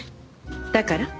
だから？